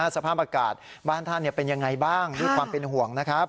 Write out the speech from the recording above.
สภาพอากาศบ้านท่านเป็นอย่างไรบ้างด้วยความเป็นห่วง